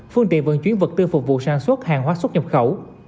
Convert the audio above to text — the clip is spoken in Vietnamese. phương tiện vận chuyển vật tư phục vụ sản xuất hàng hóa xuất nhập khẩu